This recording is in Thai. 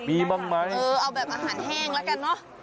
มีบ้างไหมเออเอาแบบอาหารแห้งแล้วกันเนอะ